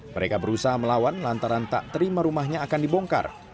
mereka berusaha melawan lantaran tak terima rumahnya akan dibongkar